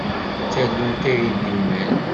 D tallunt ay d imal.